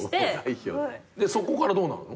そこからどうなるの？